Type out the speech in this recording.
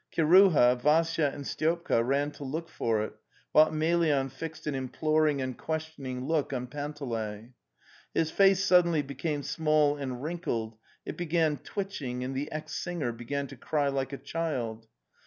Kiruha, Vassya, and Styopka ran to look for it, while Emelyan fixed an imploring and questioning look on Panteley. His face sud denly became small and wrinkled; it began twitching, and the ex singer began to cry like a child.